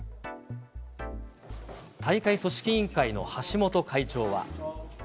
大会組織委員会の橋本会長は。